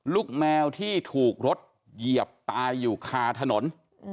ลูกแมวที่ถูกรถเหยียบตายอยู่คาถนน